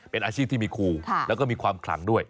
เป็นอาชีพที่มีครูแล้วก็มีความขลังด้วย